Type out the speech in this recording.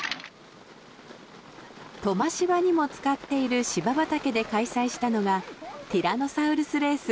トマシバにも使っている芝畑で開催したのがティラノサウルスレース。